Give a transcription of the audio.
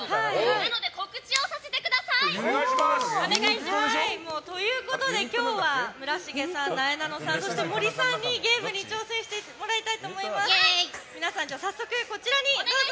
なので、告知をさせてください。ということで、今日は村重さんなえなのさん、森さんにゲームに挑戦していただきたいと思います。